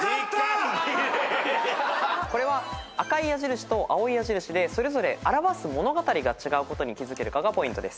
これは赤い矢印と青い矢印でそれぞれ表す物語が違うことに気付けるかがポイントです。